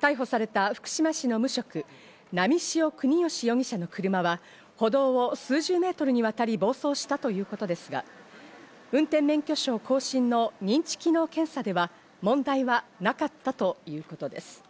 逮捕された福島市の無職、波汐國芳容疑者の車は歩道を数十メートルにわたり、暴走したということですが、運転免許証更新の認知機能検査では問題はなかったということです。